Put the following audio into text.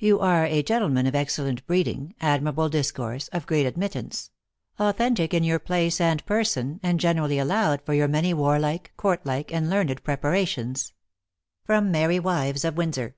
You are a gentleman of excellent breeding, admirable discourse, of great admittance; authentic in your place and person, and generally allowed for your many warlike, courtlike, and learned preparations. Merry Wives of Windsor.